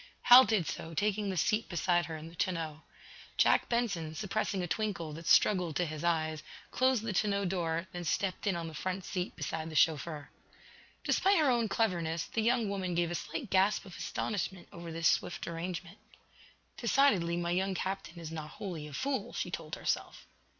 Hal did so, taking the seat beside her in the tonneau. Jack Benson, suppressing a twinkle that struggled to his eyes, closed the tonneau door, then stepped in on the front seat beside the chauffeur. Despite her own cleverness, the young woman gave a slight gasp of astonishment over this swift arrangement. "Decidedly, my young captain is not wholly, a fool," she told herself.